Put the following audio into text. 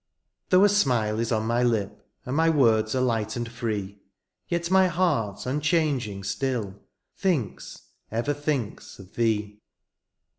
Though a smile is on my lip^ And my words are light and free^ Yet my heart imchanging stilly Thinks, ever thinks of thee.